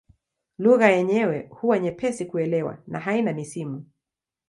Lugha yenyewe huwa nyepesi kuelewa na haina misimu.